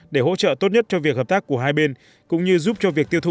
để hỗ trợ tốt nhất cho việc hợp tác của hai bên cũng như giúp cho việc tiêu thụ